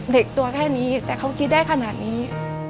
เด็กตัวแค่นี้แต่เขาคิดได้ขนาดนี้